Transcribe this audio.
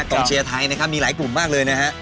กองเชียร์ไทยนะครับมีหลายกลุ่มมากเลยนะฮะ